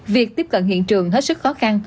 việc tiếp cận hiện trường hết sức khó khăn